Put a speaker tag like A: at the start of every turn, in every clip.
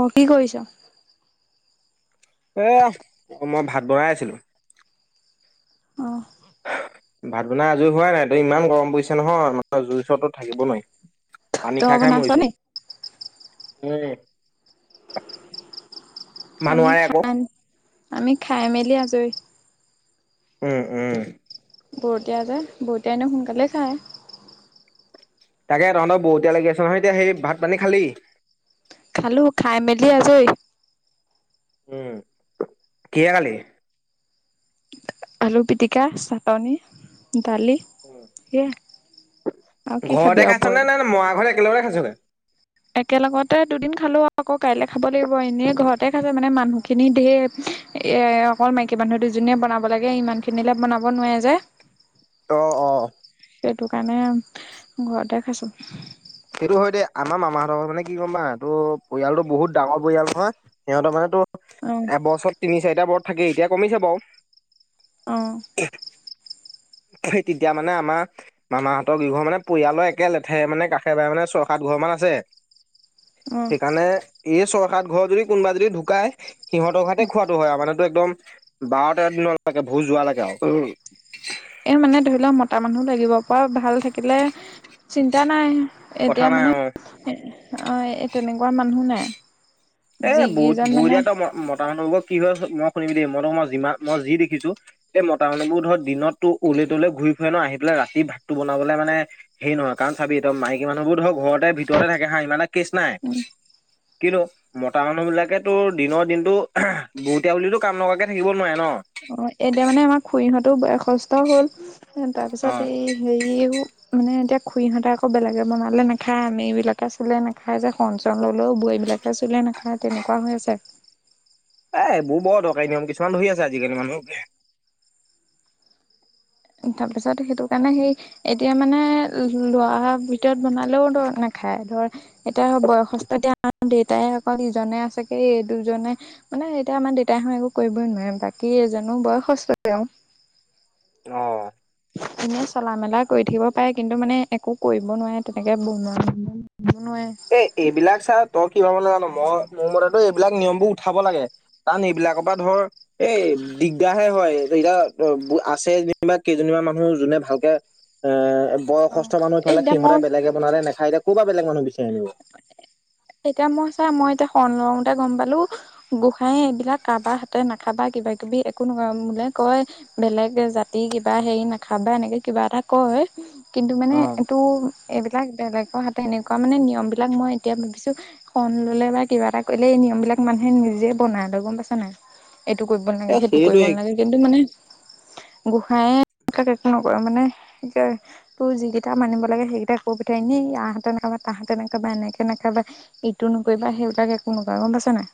A: অ কি কৰিছ?
B: এ মই ভাত বনাই আছিলো
A: অ
B: ভাত বনাই আজৰি হোৱাই নাই ত ইমান গৰম পৰিছে নহয় মান জুই ওচৰততো থাকিব নোৱাৰি পানী
A: তই
B: খাই খাই
A: বনাইছ
B: মৰিছো
A: নি
B: উম মানুহ
A: আমি
B: নোৱাৰে আকৌ
A: খান আমি খাই মেলি আজৰি
B: উম উম
A: বৰতীয়া যে বৰতীয়া এনেও সোনকালে খায়
B: তাকে তহঁতৰ বতীয়া লাগি আছে নহয় এতিয়া সেই ভাত পানী খালি
A: খালোঁ খাই মেলি আজই
B: উম কিহে খালি
A: আলু পিটিকা চাটনি দালি সেয়া
B: ঘৰতে খাইছ নে নে মৰা ঘৰত একেলগতে খাইছগে
A: একেলগতে দুদিন খালো আকৌ কাইলে খাব লাগিব এনেই ঘৰতে খাইছে মানে মানুহখিনি ধেৰ এ অকল মাইকী মানুহ দুজনীয়ে বনাব লাগে ইমানখিনিলে বনাব নোৱাৰে যে
B: অ অ
A: সেইটো কাৰণে ঘৰতে খাইছোঁ
B: সেইটো হয় দে আমাৰ মামাহঁতৰ ঘৰত মানে কি গম পায় নাই তো পৰিয়ালটো বহুত ডাঙৰ পৰিয়াল নহয় সিহঁতৰ মানে তো
A: অ
B: এবছৰ তিনি চাৰিটা বৰত থাকে এতিয়া কমিছে বাৰু
A: অ
B: [unintelligible] সেই তেতিয়া মানে আমাৰ মামাহঁতৰ কিঘৰ মানে পৰিয়ালৰ একে লেথেৰিয়ে মানে কাষ সেইবাৰে মানে ছয় সাত ঘৰ মান আছে
A: অ
B: সেইকাৰণে এই ছয় সাত ঘৰ যদি কোনোবা যদি ঢুকাই সিহঁতৰ ঘৰতে খোৱাটো হয় আও মানে একদম বাৰ তেৰ দিনৰ লৈকে ভোচ যোৱা লৈগে আৱ
A: এ মানে ধৰি লওক মতা মানুহ লাগিব পৰা ভাল থাকিলে চিন্তা নাই
B: কথা
A: এতিয়া
B: নাই
A: মানে
B: অ
A: অ তেনেকোৱা মানুহ নাই
B: এ বহুত
A: যিকেইজন মানে
B: বৰিয়া তো মতা মানুহবোৰ কি হয় মই শুনিবি দেই মই তো মই যিমান মই যি দেখিছো এই মতা মানুহবোৰ ধৰ দিনতো উলে তলে ঘূৰি ফুৰে ন আহি পেলাই ৰাতি ভাতটো বনাবলে মানে সেই নহয় কাৰণ চাবি মাইকী মানুহবোৰ ধৰক ঘৰতে ভিতৰতে থাকে হা ইমান এটা কেছ
A: উ
B: নাই কিন্তু মতা মানুহবিলাকে তোৰ দিনৰ দিনটো বুতীয়া বুলিতো কাম নকৰাকে থাকিব নোৱাৰে ন
A: অ এতিয়া মানে আমাৰ খৰিহঁতো বয়সস্থ হল তাৰপিছত
B: এ
A: এই হেৰিও মানে এতিয়া খুৰীহঁতে আকৌ বেলেগ বনালে নাখায়, আমিবিলাকে চোলে নাখায় যে হৰন-চৰন ল'লেও বোৱাৰীবিলাক লোকে চুলে নাখায় তেনেকুৱা হৈ আছে।
B: এ এইবোৰ বৰ দৰকাৰী নিয়ম কিছুমান ধৰি আছে আজিকালি মানুহ
A: তাৰপিছত সেইটো কাৰণে সেই [unintelligible] এতিয়া মানে লোৱাৰ ভিতৰত বনালেও ধৰ নাখায় ধৰ এতিয়া বয়সস্থ দিয়া দেউতাই অকল ইজনে আছে কি এই দুজনে মানে এতিয়া আমাৰ দেউতাই হা একো কৰিবই নোৱাৰে বাকী যেনো বয়সস্থ তেওঁ
B: অ
A: এনেই চলা মেলা কৰি থাকিব পাৰে কিন্তু মানে একো কৰিব নোৱাৰে তেনেকে [inaudible] নোৱাৰে
B: এ এইবিলাক ছা তই কি ভাবোঁ নাজানো মই মোৰ মতেতো এইবিলাক নিয়মবোৰ উঠাব লাগে। কাৰণ এইবিলাকৰ পৰা ধৰ এই দিগদাৰহে হয়, এতিয়া আছে যেনিবা কেইজনীমান মানুহ যোনে ভালকে - এ
A: অ
B: বয়সস্থ মানুহ
A: এই
B: ইফালে
A: এতিয়া
B: সিহঁতে
A: মই
B: বেলেগে বনালে নাখাই এতিয়া কৰ পৰা বেলেগ মানুহ বিচাৰি আনিম।
A: এতিয়া মই চোৱা মই এতিয়া শৰণ ল‌ওঁতে গম পালো। গোঁসাই এইবিলাক কাৰাবাৰ হাতেৰে নাখাবা, কিবা-কিবি একো নকয় বোলে, কয়। বেলেগ জাতি কিবা হেৰি নাখাবা এনেকে কিবা এটা কয়। কিন্তু মানে
B: অ।
A: এইটো এইবিলাক বেলেগৰ হাতে এনেকুৱা মানে নিয়মবিলাক মই এতিয়া ভাবিছোঁ - শৰণ ললে বা কিবা এটা কৰিলে এই নিয়মবিলাক মানুহে নিজে বনাই গম পাইছা নাই। এইটো কৰিব নালাগে,
B: এ
A: সেইটো কৰিব
B: সেইটোৱে
A: নালাগে, কিন্তু মানে গোঁসইয়ে এইবিলাক একো নকয়, মানে - তোৰ যিকেইটা মানিব লাগে সেইকেইটা কৈ পঠাই, এনেই এনেই আঁহতৰ মানে - তাহাঁতে এনেকুৱা বা এনেকে নখাবা ইটো নকৰিবা সেইবিলাকে একো নকয় গম পাইছা নাই।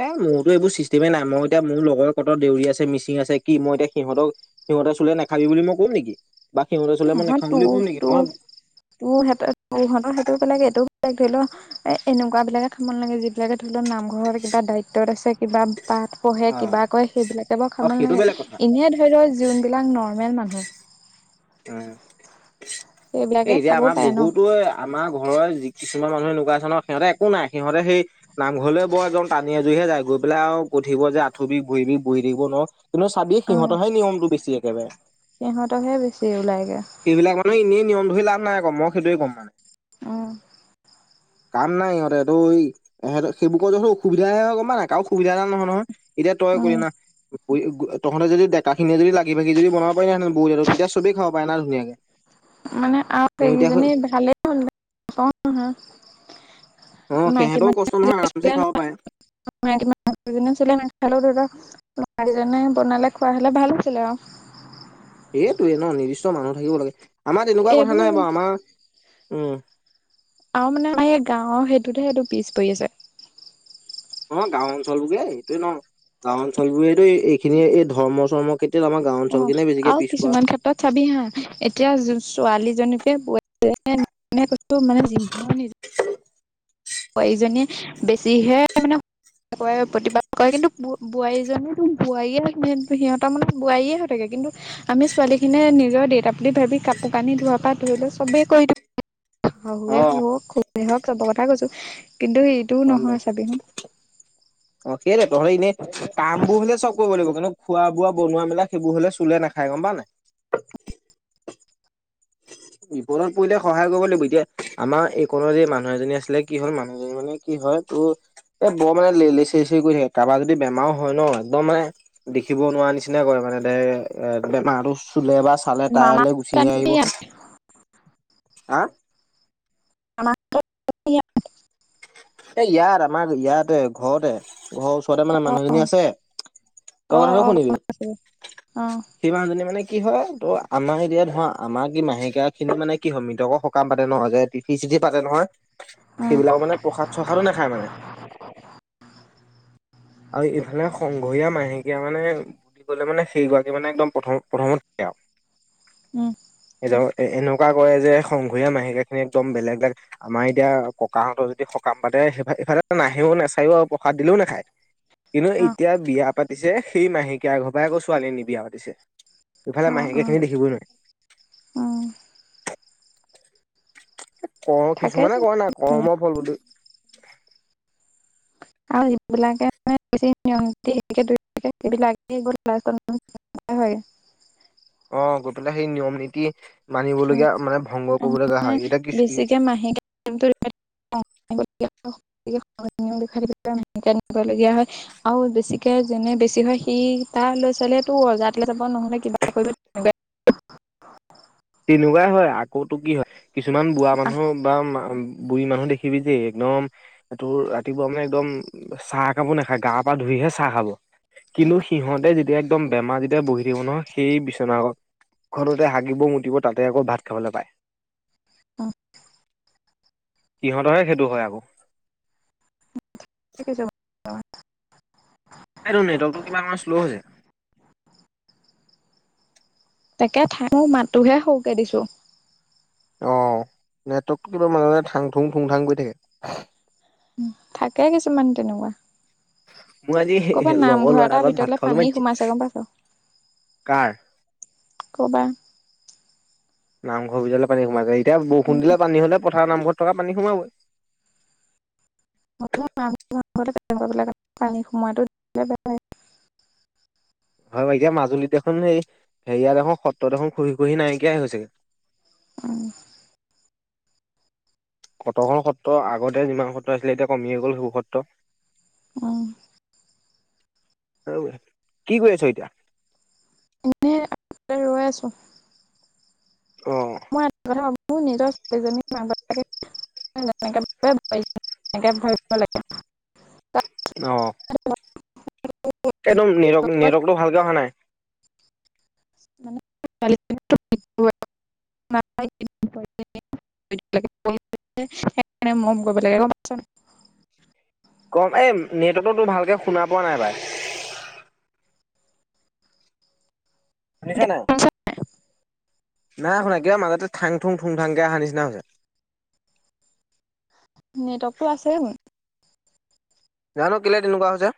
B: এ মোৰতো এইবোৰ চিষ্টেমে নাই মই এতিয়া মোৰ লগৰ কত দেউৰী আছে, মিচি আছে, কি মই এতিয়া সিহঁতক সিহঁতে চুলে নাখাবি বুলি মই ক'ম নেকি বা সিহঁতে চুলে মই নাখাম বুলি ক'ম নেকি, মই
A: তোৰহঁত তোহঁতৰ সেইটো বেলেগ এইটোও বেলেগ ধৰি ল- এ এনেকুৱা বিলাকে খাব ন লাগে যিবিলাকে ধৰি লওক নামঘৰৰ কিবা দায়িত্বত আছে কিবা পাঠ - পঢ়ে
B: অ
A: কিবা কয় সেইবিলাকে বাৰু
B: অ
A: খাব
B: সেইটো
A: নালাগে,
B: বেলেগ কথা
A: এনেই ধৰি ল যোনবিলাক নৰ্মেল মানুহ
B: উম এ
A: সেইবিলাকে
B: এতিয়া
A: খাব
B: আমাৰ
A: পাৰে ন
B: বহুতো আমাৰ ঘৰৰ যি কিছুমান মানুহে এনেকুৱা আছে ন সিহঁতে একো নাই সিহঁতে সেই নামঘৰলৈ বৰ এদম টানি আজুৰিহে যায় গৈ পেলাই আৰু কৈ থাকিব যে আঁঠু বিষ, ভৰি বিষ বহি থাকিব নোৱাৰো। কিন্তু চাবি সিহঁতৰহে নিয়মটো বেছি একেবাৰে।
A: সিহঁতহে বেছি ওলাইগে।
B: সেইবিলাকটো এনেই নিয়ম ধৰি লাভ নাই আক মই সেইটোৱেই কম।
A: উম
B: কাম নাই ইহঁতে দ‌ই - এহঁতে সেইবোৰকটো অসুবিধা হে হয় ক গম পাওঁ নাই কাৰো সুবিধা ডাল নহয়-নহয় এতিয়া তই
A: উম
B: কৰিলা ন - তহঁতে যদি ডেকাখিনি যদি লাগি-ভাগি বনাব পাৰি বহুত আৰু তেতিয়া চবে খাব। পাই ন ধুনীয়াকে।
A: মানে আম
B: কিন্তু এতিয়া
A: সেইগিজনী
B: সেই-
A: ভালেই হ'ল না ন হাঁ।
B: অঁ সিহঁতেও কষ্ট নহয় আৰামচে খাব পাৰে।
A: হ দাদা [unintelligible] লৰাকেইজনে বনালে খোৱা হলে ভাল হৈছিলে অ।
B: এইটোৱেই ন নিৰ্দিষ্ট মানুহ থাকিব লাগে, আমাৰ তেনেকুৱা কথা
A: এইবোৰ
B: নাই বাৰু আমাৰ উম
A: আমা মানে আমাৰ এই গাঁৱৰ সেইটোতহে এইটো পিছ পৰি আছে।
B: অঁ গাঁও অঞ্চল বুলিয়ে এইতোৱে ন। গাঁও অঞ্চল বোৰেতো এইখিনিয়ে এই ধৰ্ম চৰ্ম কেতিয়ত আমা গাঁও
A: অ
B: অঞ্চলখিনিয়ে বেছিকে
A: আৰু
B: পিছ পৰা।
A: কিছুমান চাবি হা, এতিয়া জো ছোৱালীজনীকে ৱে [inaudible] নে কৈছো মানে যিমান ইজি - হয় ইজনীয়ে বেছিহে মানে- কৰে আৰু‌ প্ৰতিবাদ কৰে কিন্তু বো বোৱাৰীজনীতো বোৱাৰীয়ে মেনকে সিহঁত মানে বোৱাৰীয়ে হৈ থাকে কিন্তু, আমি ছোৱালী খিনিয়ে নিজৰ দেউতা বুলি ভাবি কাপোৰ কানি ধোৱা পা ধই লই সবেই কৰি দিওঁ। শাহুৱে
B: অ
A: শুক খু ৱেহক চব কথা কৈছো কিন্তু হি
B: হৰণ লইছো। অঁ কেলে তহতি ইনেই কামবো হলে চব কৰিব লাগিব কিন্তু খোৱা বোৱা বনোৱা মেলা- বো হলে চুলে নাখাই গম পাও নাই। বিপদত পৰিলে সহায় কৰিব লাগিব এতিয়া আমা এই কণৰ যি মানুহ এজনী আছিলে কি হল মানুহ জনী মানে কি হয় তোত এ বৰ মানে লেই লেই চেই চেই কৰি থাকে কাবাৰ যদি বেমাও হয় ন একদম মানে - দেখিব নোৱাৰা নিচিনা কৰে মানে দে এ বেমাৰটো চুলে বা চা- চালে
A: মামা
B: টাইলৈ গুচিহে আহিব। হাঁ।
A: আমাকে এতিয়াক
B: এ ইয়াত আমা ইয়াতে, ঘতে ঘ ওচ ঘতে মানে মানুহজনী আছে, তই
A: অ
B: কথাটো
A: অ গম
B: শুনিবি।
A: পাইছো অ
B: সেই মাহজনী মানে কি হয় ত' আমাৰ হেৰিয়াত আমা কি মাহেকীয়া খিন মানে কি হয়, মৃতক হক কাম পাতে ন, যে টিঠি চিঠি পাতে নহয়।
A: অ
B: সেইবিলাক মানে প্ৰসাদ খাই মানে আৰু ইফালে সংঘৰীয়া মাহেকীয়া মানে হুম ক'লে মানে সেই গৰাকী মানে, একদম প্ৰথম, প্ৰথমত থাকে আও।
A: উম।
B: এ ধৰ এ এনেকুৱা কৰে যে' সংঘৰীয়া মাহেকিয়াখিনি একদম বেলেগ ব্লেক আমাৰ এতিয়া ককাহঁতৰ যদি শক কাম পাতে, সেফা এফালেটো নাহেও, নেচায়ও আৰু প্ৰসাদ দিলেও নাখায়। কিন্তু
A: অ
B: এতিয়া বিয়া পাত তিছে সেই মাহেকীয়া এঘ পাই ক ছোৱালী নি বিয়া পাতিছে। ইফালে
A: অ অ
B: মাহেকীয়া খিনি দেখিবই নোৱায়।
A: অ
B: ক
A: থাকে
B: কিছুমানে কয় নাই, কৰ্ম ফল বুলি।
A: আও যিবিলাকে নে বেছি নিয়ম নিতি হেয়িকে ধয়ি থাকে সেইবিলাকে গৈ লাচতত [unintelligible] হয়, হয়।
B: অঁ গৈ পেলাই সেই নিয়ম নীতি
A: উম
B: মানিবলগীয়া মানে ভংগ কৰিব লগা হয়। হেইতা কিছলি
A: কেমটো ৰিপাইত [unintelligible] জানিব লগিয়া হয়। আও বেছিকে যেনে বেছি হয়, সি তাৰ লৈ ছালেতো অজাত কিলে যাব, নহ'লে কিবা কয়িব
B: তিনেকুৱাই হয় আকৌতো কি হয়, কিছুমান বুৱা মানুহ বা মা বুঢ়ী মানুহ দেখিবি যে একনম এ তোৰ ৰাতিপুৱা মানে একদম চাহ একাপো নাখায়, গা-পা ধুইহে চাহ খাব। কিনো সিহঁতে যেতিয়া একদম বেমাৰ যেতিয়া বহি থাকিব নহয়, সেই বিচনা আগ ঘৰতে হাগিব, মুতিব তাতে আকৌ ভাত খাবলে পায়।
A: [unintelligible]
B: সিহঁতৰে সেইটো হয় আকৌ।
A: সিকিচেবা
B: আইটো নেটৱকৰ্টো কিবা মান শ্ল' হয়জে।
A: তাকে ঠাই মো মাততোহে সওকে দিছো।
B: অঁ, নেটৱৰ্কটো কিবা মানে মানে থাং থুং, থুং থাং কৰি থাকে।
A: উ থাকে কিছুমান তেনকুৱা।
B: মোৰ আজি
A: কবাত
B: লগৰ
A: নামঘৰ
B: ল'ৰা
A: এটাৰ
B: ঘৰত ভাত
A: ভিতলে
B: খাবলৈ
A: পানী
B: মাতিছে
A: সোমাইছে গম পাইছ?
B: কাৰ?
A: কৰবা।
B: নামঘৰ ভিতলে পানী সোমাই, এতিয়া বৰষুণ দিলে পান হ'লে পথাৰ নামঘৰত থকা পানী সোমাবই।
A: তেনেকুৱা বিলাক পানী সোমাই দে বেয়া হল। [unintelligible]
B: হয় বাৰ এতিয়া মাজুলীত দেখোন সেই, হেৰিয়াত দেখোন সত্ৰত দেখোন খুহি খুহি নাইকিয়াই হৈছোগে।
A: উ'ম।
B: কতখন সত্ৰ, আগতে যিমান সত্ৰ আছিলে এতিয়া কমিয়েই গ'ল শেৱো সত্ৰ।
A: অ'হ।
B: অ কি কৈ আছ এতিয়া?
A: এনে [unintelligible] ৰৈ আছো।
B: অ'হ।
A: মই এটা কথা ভ [unintelligible] মোৰ নিজৰ ছোৱালীজনী মাকা [unintelligible] নেকে [unintelligible]
B: অ'হ। একদম নেৰটক, নেৰটক টো ভালকে অহা নাই।
A: [unintelligible] [unintelligible] সেইকাৰণে মৰম কৰিব লাগে গম পাইছ নাই?
B: কম এই নেটততো তোৰ ভালকে শুনা পোৱা নাই বাই। শুনিছা
A: এতিয়া
B: নাই নাই শুনা কিয় মাজতে থাং থুং থুং থাংকে অহা নিছিনা হৈছে।
A: নেটৱৰ্কটো আছে মোৰ
B: জানো কেলে তেনেকুৱা হৈছে।